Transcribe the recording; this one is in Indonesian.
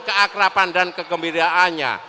keakrapan dan kekembiraannya